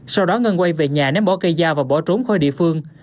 sau đó ngân quay về nhà ném bỏ cây dao và bỏ trốn khỏi địa phương